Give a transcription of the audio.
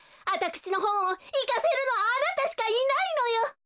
あたくしのほんをいかせるのはあなたしかいないのよ！